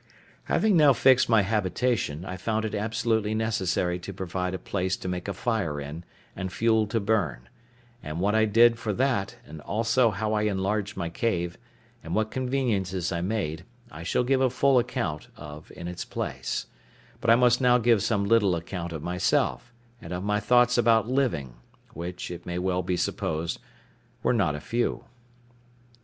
Having now fixed my habitation, I found it absolutely necessary to provide a place to make a fire in, and fuel to burn: and what I did for that, and also how I enlarged my cave, and what conveniences I made, I shall give a full account of in its place; but I must now give some little account of myself, and of my thoughts about living, which, it may well be supposed, were not a few.